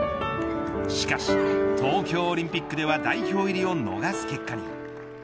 しかし東京オリンピックでは代表入りを逃す結果に。